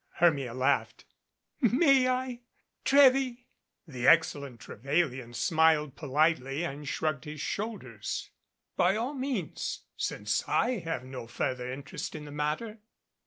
Hermia laughed. "May I, Trewy?" The excellent Trevelyan smiled politely and shrugged his shoulders. "By all means since I have no further interest in the matter."